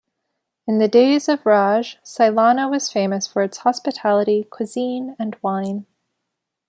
In the days of raj Sailana was famous for its Hospitality, Cuisine and Wine.